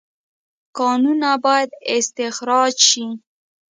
کانونه باید استخراج شي